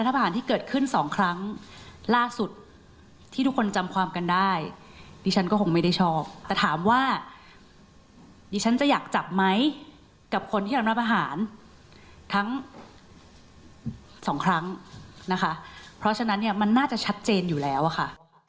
เพราะฉะนั้นมันน่าจะชัดเจนอยู่แล้วค่ะ